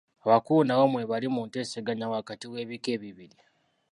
Abakulu nabo mwebali mu nteeseganya wakati w'ebika ebibiri.